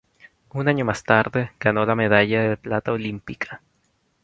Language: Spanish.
Un año más tarde, ganó la medalla de plata olímpica.